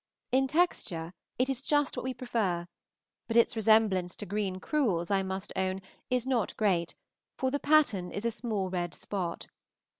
In texture it is just what we prefer, but its resemblance to green crewels, I must own, is not great, for the pattern is a small red spot.